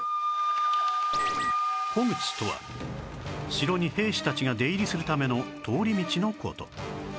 虎口とは城に兵士たちが出入りするための通り道の事